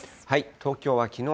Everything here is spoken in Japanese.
東京はきのう